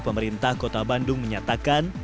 pemerintah kota bandung menyatakan